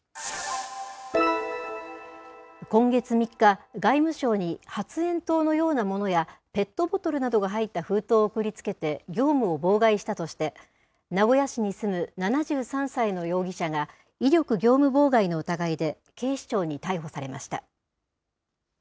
今月３日、外務省に発炎筒のようなものや、ペットボトルなどが入った封筒を送りつけて業務を妨害したとして、名古屋市に住む７３歳の容疑者が、威力業務妨害の疑いで警視庁に逮捕されました。